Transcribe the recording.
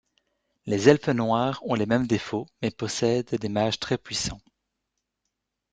Les elfes noirs ont les mêmes défauts mais possèdent des mages très puissant.